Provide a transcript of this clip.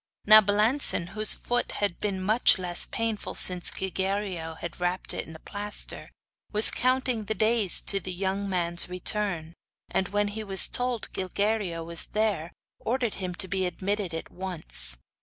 Now Balancin, whose foot had been much less painful since Gilguerillo had wrapped it in the plaster, was counting the days to the young man's return; and when he was told Gilguerillo was there, ordered him to be admitted at once.